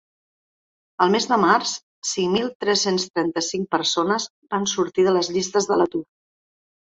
Al mes de març, cinc mil tres-cents trenta-cinc persones van sortir de les llistes de l’atur.